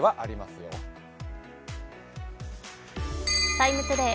「ＴＩＭＥ，ＴＯＤＡＹ」